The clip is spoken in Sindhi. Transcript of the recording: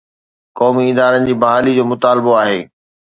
قومي ادارن جي بحالي جو مطالبو آهي.